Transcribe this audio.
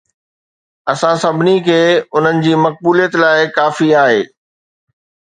اسان سڀني کي انهن جي مقبوليت لاء ڪافي آهي